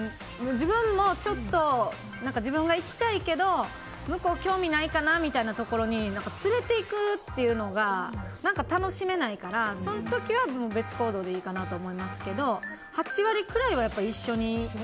自分もちょっと自分が行きたいけど向こうは興味ないかなみたいなところに連れていくっていうのが楽しめないからその時は別行動でいいかなと思いますけど８割くらいは一緒に。